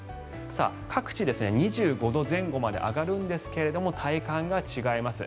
各地、２５度前後まで上がるんですが体感が違います。